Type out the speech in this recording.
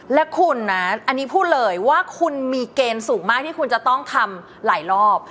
และคุณนะอันนี้พูดเลยว่าคุณมีเกณฑ์สูงมากที่คุณจะต้องทำหลายรอบ